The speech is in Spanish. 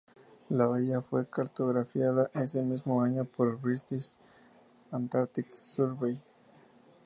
La bahía fue cartografiada ese mismo año por el British Antarctic Survey.